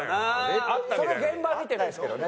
その現場は見てないですけどね。